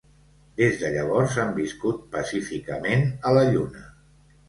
Des de llavors han viscut pacíficament a la lluna.